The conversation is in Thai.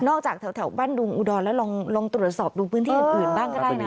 จากแถวบ้านดุงอุดรแล้วลองตรวจสอบดูพื้นที่อื่นบ้างก็ได้นะ